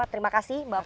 terima kasih mbak puan